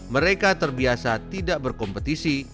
mereka terbiasa tidak berkompetisi